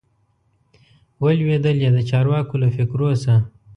وه لوېدلي د چارواکو له فکرو سه